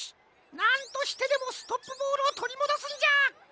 なんとしてでもストップボールをとりもどすんじゃっ！